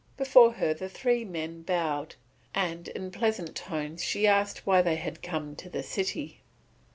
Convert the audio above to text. Before her the three men bowed, and in pleasant tones she asked why they had come to the city.